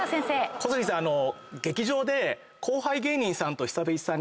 小杉さん劇場で。